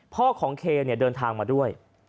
พ่อของเคเดินทางมาด้วย